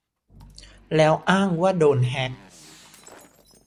แล้วอ้างว่าโดนแฮค